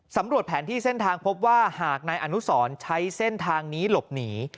แผนที่เส้นทางพบว่าหากนายอนุสรใช้เส้นทางนี้หลบหนี